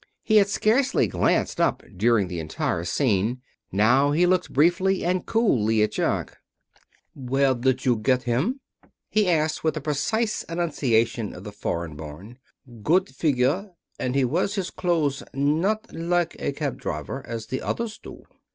He had scarcely glanced up during the entire scene. Now he looked briefly and coolly at Jock. "Where did you get him?" he asked, with the precise enunciation of the foreign born. "Good figure. And he wears his clothes not like a cab driver, as the others do."